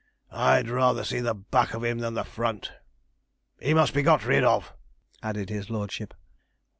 I'd rather see the back of him than the front. He must be got rid of,' added his lordship.